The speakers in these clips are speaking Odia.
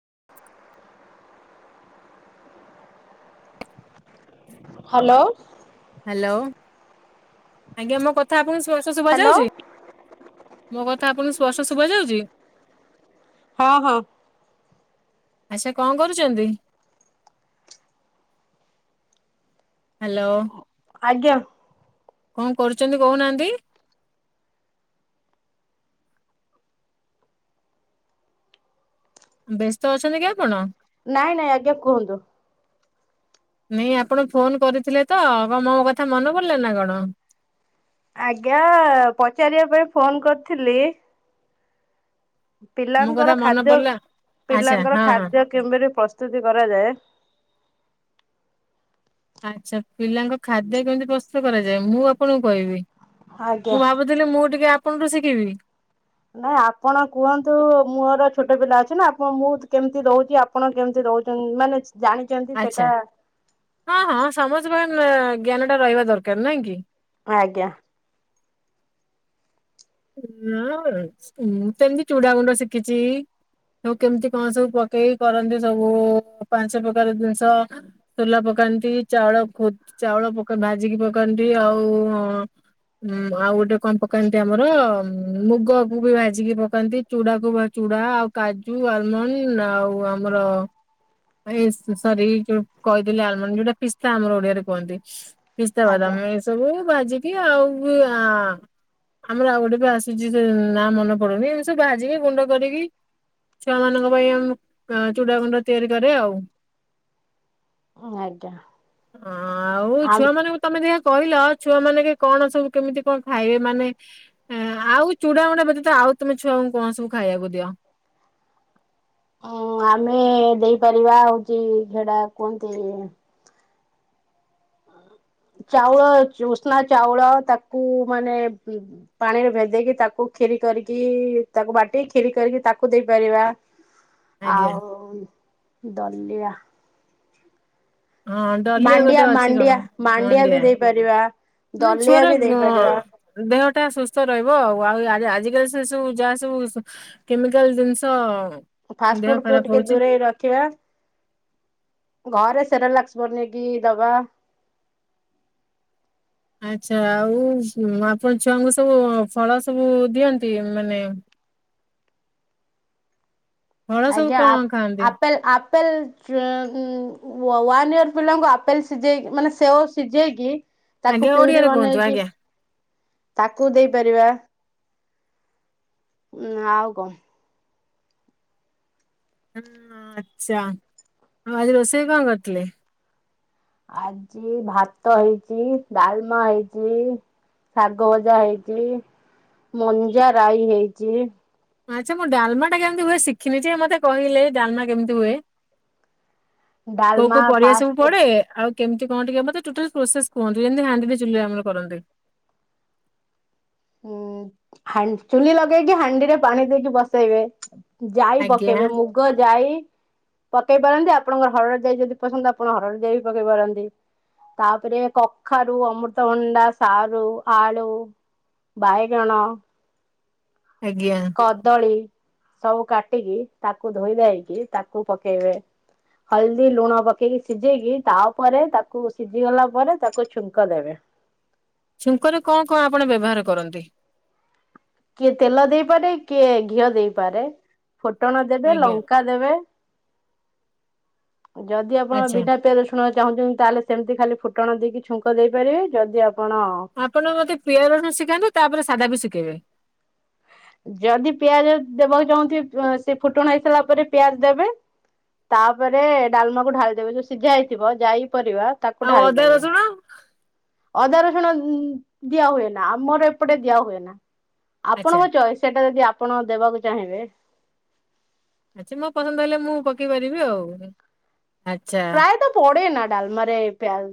[inaudible] ହ୍ୟାଲୋ। ହ୍ୟାଲୋ ଆଜ୍ଞା ମୋ କଥା ଆପଣ। ଭଲ୍ ସେ ସୁଭା ଯାଉଛି। ମୋ କଥା ଆପଣଙ୍କୁ ସ୍ପଷ୍ଟ ଶୁଭ ଯାଉଛି। ହଁ ହଁ। ଆଚ୍ଛା କଣ କରୁଛନ୍ତି। ହ୍ୟାଲୋ। ଆଜ୍ଞା। କଣ କରୁଛନ୍ତି କହୁନାହାନ୍ତି। ବ୍ୟସ୍ତ ଅଛନ୍ତି କି ଆପଣ। ନାଇଁ ନାଇଁ ଆଜ୍ଞା କୁହନ୍ତୁ। ନାଇ ଆପଣ ଫୋନ କରିଥିଲେ ତ କଣ ମୋ କଥା ମନେ ପଡିଲା ନା କଣ। ଆଜ୍ଞା ପଚାରିବା ପାଇଁ ଫୋନ କରିଥିଲି। ମୋ କଥା ପିଲାଙ୍କର ମନେ ଖାଦ୍ୟ ପଡିଲା। ଆଚ୍ଛା ପିଲାଙ୍କର ହଁ ହଁ ଖାଦ୍ୟ କେମରି ପ୍ରସ୍ତୁତି କରାଯାଏ। ଆଛା ପିଲାଙ୍କ ଖାଦ୍ୟ କେମିତି ପ୍ରସ୍ତୁତ କରାଯାଏ ମୁଁ ଆପଣଙ୍କୁ କହିବି। ଆଜ୍ଞା। ମୁଁ ଭାବୁଥିଲି ମୁଁ ଟିକେ ଆ। ଆପଣଙ୍କୁ ଶିଖେଇବି। ନାଇଁ ଆପଣ କୁହନ୍ତୁ ମୋର ଛୋଟ ପିଲା ଅଛି ନା ଆପଣ ମୁଁ କେମିତି ରହୁଛି ଆପଣ କେମିତି ରହୁଛନ୍ତି ମାନେ। ଜାଣିଛନ୍ତି ଆଛା ସେଟା ହଁ ହଁ ସମଜ ଭ। ଜ୍ଞାନ ଟା ରହିବା ଦରକାର ନାଇଁ କି। ଆଜ୍ଞା। ଁ ସେମିତି ଚୁଡ ଗୁଣ୍ଡ ଶିଖିଛି ଆଉ କେମିତି କଣ ସବୁ ପକେଇକି କରନ୍ତି ସବୁ ପାଞ୍ଚ ପ୍ରକାର ଜିନିଷ ୋଲା ପକାନ୍ତି ଚାଉଳ ଚାଉଳ ଭାଜିକି ପକାନ୍ତି ଆଉ ଆଉ ଗୋଟେ କଣ ପକାନ୍ତି ଆ। ଆମର ମୁଗକୁ ବି ଭାଜିକି ପକାନ୍ତି ଚୁଡାକୁ ଚୁଡା ଆଉ କାଜୁ ଆଲମଣ୍ଡ ଆଉ ଆମର ଏ ସରି କହିଥିଲ ଆଲମଣ୍ଡ ଯୋଉଟା ପିସ୍ତା ଆମର ଓଡିଆରେ କୁହନ୍ତି। ଆଜ୍ଞା ପିସ୍ତାବାଦାମ ଏ ସବୁ ଭାଜିକି। ଏ ଆଉ [inaudible] ଆମର ଆଉ ଗୋଟେ ବି ଆସୁଛି ନା ମନେ ପଡୁନି ଏମ ସବୁ ଭାଜିକି ଗୁଣ୍ଡ କରିକି ଛୁଆ ମାନଙ୍କ ପାଇଁ ଆମ ଚୁଡା ଗୁଣ୍ଡ ତିଆରି କରେ ଆଉ। ଆଜ୍ଞା। ଅ ଆଉ ଆ ଛୁଆ ମାନଙ୍କୁ ତମେ ଦେଖକୁ। କହିଲ ଛୁଆ ମାନେ କି କଣ ସବୁ କେମିତି କଣ ଖାଇବେ ମାନେ। ଆଉ ଚୁଡାମୁଡା ବ୍ୟତୀତ ଆଉ ତମେ ଛୁଆଙ୍କୁ କଣ ସବୁ ଖାଇବାକୁ ଦିଅ। ଅଉଁ ଆମେ ଦେଇପାରିବା ହଉଛି ହେଡା କୁହନ୍ତି। ଚାଉଳ ଉଷ୍ନା ଚାଉଳ ତାକୁ ମାନେ ପାଣିରେ ଭେଦେଇକି ତାକୁ କ୍ଷୀରି କରିକି ତାକୁ ବାଟି ଖୀରି କରିକି ତାକୁ ଦେଇପାରିବା। ଆଜ୍ଞା ଆଉ ଦଲି ହଁ ଡଲିଆ ଗୋଟେ ମାଣ୍ଡିଆ ଅଛି କଣ ମାଣ୍ଡିଆ ବି ମାଣ୍ଡିଆ ଦେଇପାରିବା। ମେ ଦଲିଆ ଛୁଆର ବି ଦେଇପାରିବା ଦେହଟା ସୁସ୍ଥ ରହିବ ଆଉ ଆଉ। ଆଜିକାଲି ସେ ସବୁ ଯାହା ସବୁ କେମିକାଲ ଜିନିଷ। ଫାଷ୍ଟ ଦେହ ଫୁଡ କୁ ଖରାପ ଟିକେ ହଉଛି ଦୂରେଇ ରଖିବା। ଘରେ ସେରାଲାକ୍ସ ବନେଇକି ଦବା। ଆଚ୍ଛା ଆଉ ଆପଣ ଛୁଆଙ୍କୁ ସବୁ ଫଳ ସବୁ ଦିଅନ୍ତି ମାନେ ଫଳ ସବୁ ଆଜ୍ଞା ଆ କଣ ଖାଆନ୍ତି? ଆପେଲ ଆପେଲ ଯୁଁ ୱା ୱାନ ଇୟର ପିଲାଙ୍କୁ ଆପେଲ ସିଝେଇକି ମାନେ ସେଓ ସିଝେଇକି ତାକୁ ଆଜ୍ଞା ପିଉରି ଓଡିଆରେ କୁହନ୍ତୁ ବନେଇକି ଆଜ୍ଞା। ତାକୁ ଦେଇପାରିବା। ହୁଁ ଆଉ କ? ହଁ ଆଚ୍ଛା ଆଉ ଆଜି ରୋଷେଇ କଣ କରିଥିଲେ? ଆଜି ଭାତ ହେଇଚି ଡାଲମା ହେଇଚି ଶାଗ ଭଜା ହେଇଚି ମଞ୍ଜାରାଇ ହେଇଚି। ଆଚ୍ଛା ମୁଁ ଡାଲମା ଟା କେମିତି ହୁଏ ଶିଖିନି ଯେ ମତେ କହିଲେ ଡାଲମା କେମିତି ହୁଏ? କୋଉ ଡାଲମା କୋଉ ପରିବା ସବୁ ଫାଷ୍ଟ ପଡେ ଆଉ କେମତି କଅଁ ଟିକେ ମତେ ଟୋଟାଲ ପ୍ରୋସେସ କୁହନ୍ତୁ ଯେମିତି ରାନ୍ଦିବି ଚୁଲିରେ ଆମର କରନ୍ତି। ହୁଁ ହାଣ୍ଡି ଚୁଲି ଲଗେଇକି ହାଣ୍ଡିରେ ପାଣି ଦେଇକି ବସେଇବେ। ଯାଇ ଆଜ୍ଞା ପକେଇବେ ମୁଗଯାଇ ପକେଇ ପାରନ୍ତି ଆପଣଙ୍କର ହରଡ ଯାଇ ଯଦି ପସନ୍ଦ ଆପଣ ହରଡ ଯାଇ ବି ପକେଇ ପାରନ୍ତି ତାପରେ କଖାରୁ, ଅମୃତଭଣ୍ଡା, ସାରୁ, ଆଳୁ ବାଇଗଣ, ଆଜ୍ଞା କଦଳୀ ସବୁ ଟିକି ତାକୁ ଧୋଇଧାଇକି ତାକୁ ପକେଇବେ ହଳଦୀ ଲୁଣ ପକେଇକି ସିଝେଇକି ତାପରେ ତାକୁ ସିଝି ଗଲା ପରେ ତାକୁ ଛୁଙ୍କ ଦେବେ। ଛୁଙ୍କରେ କଣ କଣ ଆପଣ ବ୍ୟବହାର କରନ୍ତି? କିଏ ତେଲ ଦେଇପାରେ କିଏ ଘିଅ ଦେଇପାରେ। ଫୁଟଣ ଦେବେ ଆଜ୍ଞା ଲଙ୍କା ଦେବେ। ଯଦି ଆପଣ ଆଚ୍ଛା ବିନା ପିଆରସୁଣରେ ଚାହୁଁଛନ୍ତି ତାହେଲେ ସେମିତି ଖାଲି ଫୁଟଣ ଦେଇକି ଛୁଙ୍କ ଦେଇପାରିବେ ଯଦି ଆପଣ ଆପଣ ମତେ ପିଆରସୁଣ ଶିଖାନ୍ତୁ ତାପରେ ସାଧାବି ଶିଖେଇବେ। ଯଦି ପିଆଜ ଦେବାକୁ ଚାହୁଁଥିବ ପା ସେ ଫୁଟଣ ହେଇ ସାଇଲା ପରେ ପିଆଜ ଦେବେ ତାପରେ ଡାଲମାକୁ ଢାଳିଦେବେ ଯୋଉ ସିଝା ହେଇଥିବ ଯାଇ ପରିବା ତାକୁ ଆଉ ଢାଳି ଅଦା ଦେବେ। ରସୁଣ ଅଦା ରସୁଣ ଉଁ ଦିଆ ହୁଏନା ଆମର ଏପଟେ ଦିଆ ହୁଏନା। ଆଚ୍ଛା ଆପଣଙ୍କ ଚଏସ୍ ସେଟା ଯଦି ତା ଆପଣ ଦେବାକୁ ଚାହିଁବେ। ଆଚି ମୋ ପସନ୍ଦ ହେଲେ ମୁଁ ପକେଇ ପାରିବି ଆଉ। ଆଚ୍ଛା ପ୍ରାୟେତ ପଡେନା। ଡାଲମାରେ ପିଆଜ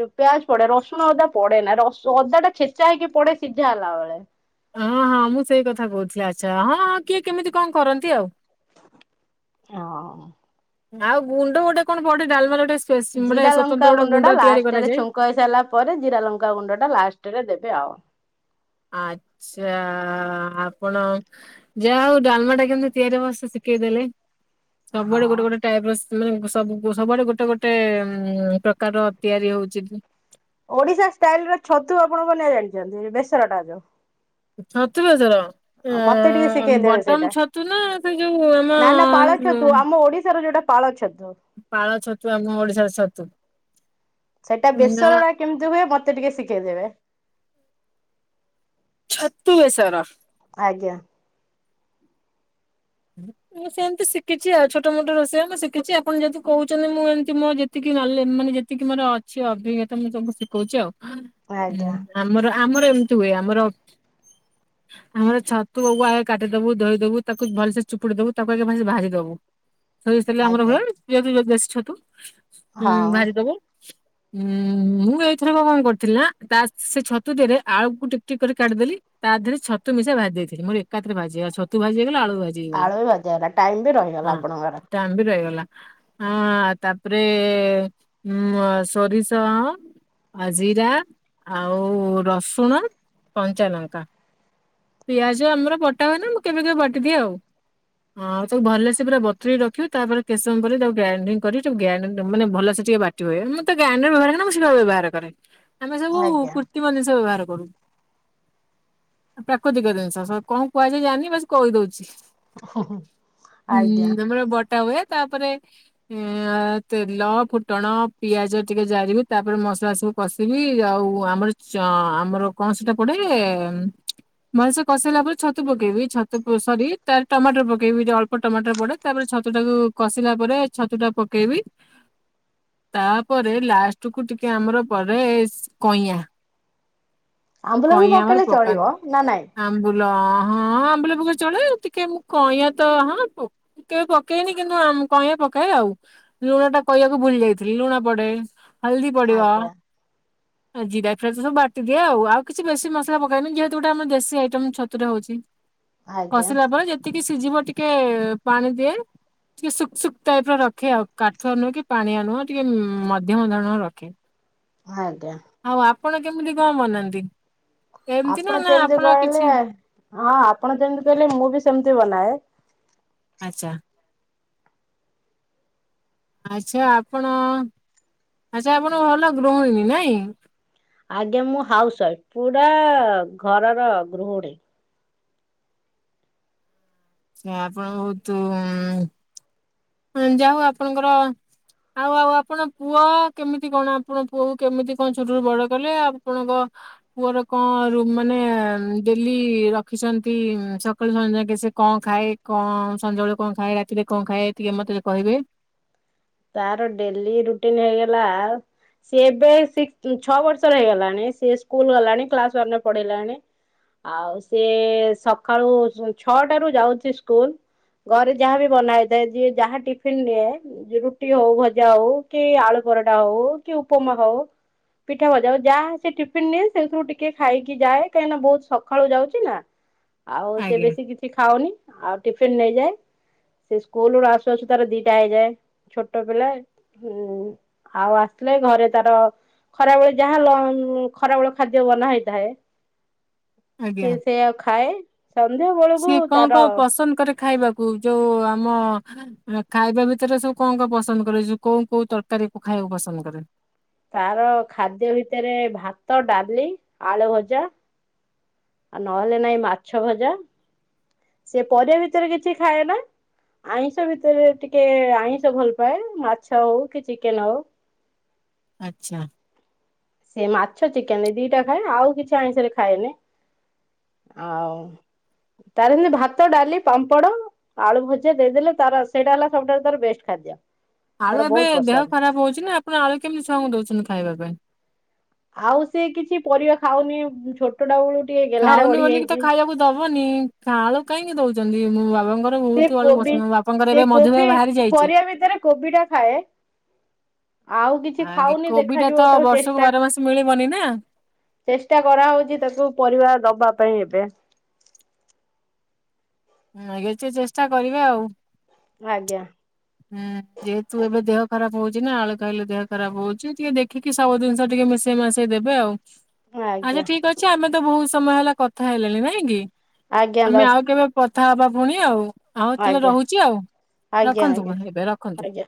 ଯୋଉ ପିଆଚ୍ ପଡେ, ରସୁଣ ଅଦା ପଡେନା ରସୁ ଅଦା ଟା ଛେଚା ହେଇକି ପଡେ ସିଝା ହେଲା ବେଳେ। ହଁ, ହଁ ମୁଁ ସେଇ କଥା କହୁଥିଲି ଆଚ୍ଛା ହଁ, ହଁ କିଏ କେମିତି କଅଁ କରନ୍ତି ଆଉ। ଅଁ। ଆଉ ଗୁଣ୍ଡ ଗୋଟେ କଣ ପଡେ, ଡାଲମାଲରେ ଗୋଟେ ସେ ଜିରା ଲଙ୍କା ଗୁଣ୍ଡ ଟା ଲାଷ୍ଟରେ ଛୁଙ୍କ ହେଇ ସାଇଲା ପରେ ଜିରା ଲଙ୍କା ଗୁଣ୍ଡ ଟା ଲାଷ୍ଟରେ ଦେବେ ଆଉ। ଆଚା-ଆ ଆପଣ ଯାହାହଉ ଡାଲମାଟା କେମିତି ତିଆରି ହବ, ସି ଶିକେଇଦେଲେ। ସବୁବେଳେ ହଁ। ଗୋଟେ ଗୋଟେ ଟାଇପ୍ର ସି ମାନେ ସବୁ ସବୁଆଡେ ଗୋଟେ ଗୋଟେ ଉଁ ପ୍ରକାରର ତିଆରି ହଉଚି। ଓଡିଶା ଷ୍ଟାଇଲରେ ଛତୁ ଆପଣ ବନେଇବା ଜାଣିଚନ୍ତି, ବେସରଟା ଜଉ। ଛତୁ ବେସର! ଟିକେ ଆଁ ଶିଖେଇଦେବେ ବଟମ ସେଇଟା ଛତୁ ନା ସେ ଯୋଉ ଆମଁ ପାଳଛ ପାଳଛତୁ ଆମ ଓଡିଶାର ସତୁ। ସେଟା ବେଶରଟା କେମିତି ହୁଏ? ମ ତେ ଟିକେ ଶିଖେଇଦେବେ। ଅତୁ ବେସର। ଆଜ୍ଞା। ମୁଁ ସେମିତି ଶିଖିଛି, ଆଉ ଛୋଟ ମୋଟ ରୋଷେଇଆ ମୁଁ ଶିଖିଛି। ଆପଣ ଯେତି କହୁଛନ୍ତି, ମୁଁ ଏମିତି ମୋ ଯେତିକି ନଲେ, ମାନେ ଯେତିକି ମୋର ଅଛି ଅଭିଜ୍ଞତା, ମୁଁ ତମକୁ ଶିଖଉଛି ଆଉ। ହୁଁ, ଆଜ୍ଞା ଆମର ଆମର ଏମିତି ହୁଏ, ଆମର, ଆମର ଛତୁ ବବୁ, ଆଗ କାଟିଦବୁ, ଧୋଇଦବୁ, ତାକୁ ଭଲସେ ଚୁପୁଡ଼ି ଦବୁ, ତାକୁ ଆଗେ [unintelligible] ଭାଜିଦବୁ। ସୋରିଷ ତେଲେ ଆମର ଆଜ୍ଞା। ହୁଏ। ପିଆଜବି-ବେଶୀ ଛତୁ। ହୁଁ, ହଁ ଭାରିଦବ। ଉଁ, ମୁଁ ଏଇଥରକ କଣ କରିଥିଲନା, ତା ସେ ଛତୁଦେହରେ ରେ ଆଳୁକୁ ଟିକ୍ ଟିକ୍ କରି କାଟିିଦେଲି, ତା ଦେହରେ ଛତୁ ମିଶା ଭାଜି ଦେଇଥିଲି, ମୋର ଏକାଥରେ ଭାଜିହେଇଗ ଛତୁ ଭାଜି ହେଇଗଲା, ଆଳୁ ଭା ଆଳୁ ବି ଭାଜା ହେଲା, ଟାଇମ ବି ରହିଗଲା ଆପଣଙ୍କର। ଟାଇମ ବି ରହିଗଲା। ହଁ, ତାପରେ ଉମ୍ ସୋରିଷ, ଆ ଜିରା, ଆଉ ରସୁଣ, କଞ୍ଚାଲଙ୍କା, ପିଆଜ ଆମର ଵଟା ହୁଏ ନା। ମୁଁ କେବେ କେବେ ବାଟିଦିଏ ଆଉ। ହଁ ତାକୁ ଭଲସେ ପୁରା ବତୁରି ରଖିବୁ ତାପରେ କେତଶମ ପରେ ତାକୁ ଗ୍ରାଇଡିଙ୍ଗ୍ କରି ଟାକୁ ଗ୍ରେନ ମାନେ ଭଲସେ ଟିକେ ବାଟି ହୁଏ। ମୁଁ ତ ଗ୍ରାଇଣ୍ଡର ବ୍ୟବହାର କରେନା ମୁଁ ସେଟା ବ୍ୟବହାର କରେ। ଆମେ ସବୁ ଆଜ୍ଞା। କୁର୍ତ୍ତୀ ମନିଷ ବ୍ୟବହାର କରୁ। ପ୍ରାକୃତିକ ଜିନିଷ, ସା କଣ କୁହାଯାଏ ଜାନି? ବାସ! କହିଦଉଛି। ହୁଁ ଆଜ୍ଞା ତମର ବଟା ହୁଏ? ତାପରେ, ଆଂ ତେଲ, ଫୁଟଣ ପିଆଜ ଟିକେ ଜାରିବି। ତାପରେ ମସଲା ସବୁ କଷିବି। ଆଉ ଆମର ଚଁ ଆମର କଣ ସେଟା ପଡେ, ମଇସା କଷେଇଲା ପରେ ଛତୁ ପକେଇବି, ଛତୁ ସରି ତା ଟମାଟର ପକେଇବି, ଟ ଅଳ୍ପ ଟମାଟର ପଡେ ତାପରେ, ଛତୁ ଟାକୁ କଷିଲା ପରେ ଛତୁ ଟା ପକେଇବି ତାପରେ, ଲାଷ୍ଟ କୁ ଟିକେ ଆମର ପରେସ୍ କଇଁଆ ଆମ୍ବୁଲ ବି ପକେଇଲେ ଚଳିବ, ନା ନାଇଁ? ଲଁ ହଁ, ଆମ୍ବୁଲା ପଖ ଚଳେ ତି କେ, ମୁଁ କଇଁଆ ତ ହଁ, କେବେ ପକେଇନି କିନ୍ତୁ କଇଁଆ ପକାଏ ଆଉ, ଲୁଣ ଟା କହିଆକୁ ଭୁଲି ଯାଇଥିଲି, ଲୁଣ ପଡେ। ହଲଦୀ ପଡିବ। ଆଜ୍ଞା। ଜିରା [unintelligible] ସବୁ ବାଟିଦିଏ ଆଉ, ଆଉ କିଛି ବେଶୀ ମସଲା ପକାଏନି ଯେହେତୁ ଗୋଟେ ଆମ ଦେଶୀ ଆଇଟମ୍ ଛତୁରେ ହଉଛି। ଆଜ୍ଞା। ରବର ଯେତିକି ବି ସିଝିବ ଟିକେ, ପାଣି ଦିଏ, ଟିକେ ସୁଖ ସୁୁଖ ଟାଇପ ରଖେ, ଆଉ କାଠୁ ଆ ନୁହେ କି ପାଣି ଆ ନୁହେଁ, ଟିକେ ମଧ୍ୟମ ଧରଣ ରଖେ। ଆଜ୍ଞା। ଆଉ ଆପଣ କେମିତି କଣ ବନାନ୍ତି? ଏମିତି ନା ଆପଣ ନା ଯେମିତି କହିଲେ, କିଛି ହଁ ଆପଣ ଯେମିତି କହିଲେ ମୁଁ ବି ସେମିତି ବନାଏ। ଆଚ୍ଛା। ଆଚ୍ଛା ଆପଣ, ଆଚ୍ଛା ଆପଣ ଭଲ ଗୃହିଣୀ ନାଇଁ? ଆଜ୍ଞା, ମୁଁ ହାଉସ ୱାଇଫ, ପୁରା ଘରର ଗୃହଣୀ। ସେ ଆପଣ ବହୁତ ଆଂ ହଁ, ଯାହଉ ଆପଣଙ୍କର ଆଉ ଆଉ ଆପଣ ପୁଅ କେମିତି କଣ ଆପଣ ପୁଅକୁ କେମିତି କଣ ଛୋଟୁ ବଡ କଲେ, ଆପଣଙ୍କ ପୁଅର କଣ ରୁ ମାନେ ଡେଲି ରଖିଛନ୍ତି ସକାଳୁ ସଞ୍ଜ ଯାକେ, ସେ କଣ ଖାଏ କଣ ସଞ୍ଜବେଳେ କଣ ଖାଏ ରାତିରେ କଣ ଖାଏ? ଟିକେ ମତେ କହିବେ? ତାର ଡ଼େଲି ରୁଟିନ ହେଇଗଲା ସି ଏବେ ଛଅ ବର୍ଷର ହେଇଗଲାଣି, ସେ ସ୍କୁଲ ଗଲାଣି, କ୍ଲାସ ଅନ୍ୟ ପଢ଼ୀଲାଣି, ଆଉ ସିଏ ସକାଳୁ ଛଅଟା ରୁ ଯାଉଛି ସ୍କୁଲ ଘରେ ଯାହାବି ବନା ହେଇଥାଏ ଯିଏ ଯାହା ନିଏ ରୁଟି ହଉ, ଭଜା ହଉ, କି ଆଳୁ ପରଟା, ହଉ କି ଉପମା ହଉ, ପିଠା ଭଜା ହଉ, ଯାହା ସେ ଟିଫିନ ନିଏ ସେଥିରୁ ଟିକେ ଖାଇକି ଯାଏ, କାହିଁକିନା ବହୁତ ସକାଳୁ ଯାଉଛି ନା। ଆଉ ସେ ଆଜ୍ଞା ବେଶୀ କିଛି ଖାଉନି, ଆଉ ଟି ନେଇଯାଏ ସେ ସ୍କୁଲ ର ଆସୁ ଆସୁ ତାର ଦିଟା ହେଇଯାଏ। ଛୋଟ ପିଲା ହଁ ଆଉ ଆସିଲେ ଘରେ ତାର ଖରାବେଳେ ଯାହା ଲ ଖରାବେଳ ଖାଦ୍ୟ ବନା ହେଇଥାଏ। ଆଜ୍ଞା ସି ସେଆଉ ଖାଏ ସନ୍ଧ୍ୟା ବେଳକୁ ସିଏ କଣ ତାର। କଣ ପସନ୍ଦ କରେ ଖାଇବାକୁ ଯୋଉ ଆମ ଖାଇବା ଭିତରେ ସବୁ କଣ କଣ ପସନ୍ଦ କରେ କୋଉ କୋଉ ତରକାରୀ ଖାଇବାକୁ ପସନ୍ଦ କରେ? ତାର ଖାଦ୍ୟ ଭିତରେ ଭାତ, ଡାଲି, ଆଳୁ ଭଜା। ଆଉ ନହେଲେ ନାଇଁ ମାଛ ଭଜା ସେ ପରିବା ଭିତରେ କିଛି ଖାଏ ନା ଆଇଁଷ ଭିତରେ ଟିକେ ଆଇଁଷ ଭଲ ପାଏ ମାଛ ହଉ କି ଚିକେନ ହଉ। ଆଚ୍ଛା। ସେି ମାଛ ଚିକେନ ଏଇ ଦିଟା ଖାଏ ଆଉ କିଛି ଆଇଷରେ ଖାଏନି ଆଉ ତାର କିନ୍ତୁ ଭାତ ଡାଲି ପାମ୍ପଡ଼ ଆଳୁ ଭଜିଦେଇଦେଲେ ତାର ସେଇଟା ହେଲା ସବୁଠାରୁ ତାର ବେଷ୍ଟ ଖାଦ୍ୟ। ଆଳୁ ତାର ଏବେ ବହୁତ ଦେହ ପସନ୍ଦ ଖରାପ ହଉଛି ନା ଆପଣ ଆଳୁ କେମିତି ଛୁଆଙ୍କୁ ଦଉଛନ୍ତି ଖାଇବା ପାଇଁ। ଆଉ ସେ କିଛି ପରିବା ଖାଉନି ଛୋଟଟା ବେଳୁ ଟିକେ ଗେହ୍ଲାରେ ଖାଉନି ବଢି ବୋଲିକି ତ ଯାଇଛି ଖାଇବାକୁ ଦବନି ଆଳୁ କାହିଁକି ଦଉ ମୁଁ ବା ସେ କୋବି ସେ କୋବି ବାହାରି ଯାଇଛି। ପରିବା ଭିତରେ କୋବି ଟା ଖାଏ। ଆଉ ଆ କିଛି ଖାଉନି କୋବି ଟା ତ ଦେଖାଯିବ ତାକୁ ବର୍ଷକୁ ଚେଷ୍ଟା ବାର ମାସ ମିଳିବନି ନା ଚେଷ୍ଟା କରାହଉଛି ତାକୁ ପରିବା ଦବା ପାଇଁ ଏବେ। ଆଜ୍ଞା ଏବେ ଚେଷ୍ଟା କରିବେ ଆଉ। ଆଜ୍ଞା। ହୁଁ ଯେହେତୁ ଏବେ ଦେହ ଖରାପ ହଉଛି ନା ଆଳୁ ଖାଇଲେ ଦେହ ଖରାପ ହଉଛି ଟିକେ ଦେଖିକି ସବୁିନିଷ ଟିକେ ମିଶେଇ ମାସେଇ ଦେବେ ଆଉ। ଆଚ୍ଛା ଆଜ୍ଞା ଠିକ ଅଛି ଆମେ ତ ବହୁତ ସମୟ ହେଲା କଥା ହେଲେଣି ନାଇଁ କି? ଆଜ୍ଞା ଆମେ ଦଶ ଆଉ କେବେ ପ କଥା ହେବା ଭୁଣି ଆଉ। ଆଉ ତାହେଲେ ଆଜ୍ଞା ରହୁଛି ଆଉ। ଆଜ୍ଞା ରଖନ୍ତୁ ଆଜ୍ଞା ଏବେ ରଖନ୍ତୁ। ଆଜ୍ଞା।